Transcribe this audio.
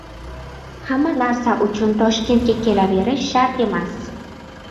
“Hamma narsa uchun Toshkentga kelaverish shart emas.